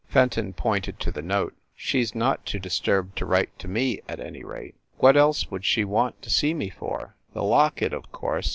Fenton pointed to the note; "She s not too dis turbed to write to me, at any rate! What else would she want to see me for?" "The locket, of course!"